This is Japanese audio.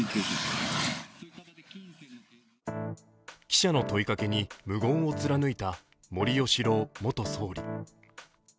記者の問いかけに無言を貫いた森喜朗元総理。